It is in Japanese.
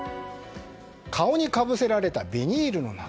顔にかぶせられたビニールの謎。